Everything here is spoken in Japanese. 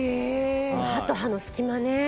歯と歯の隙間ね。